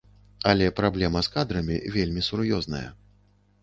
Але праблема з кадрамі вельмі сур'ёзная.